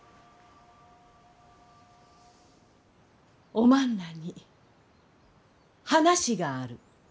おまんらに話がある。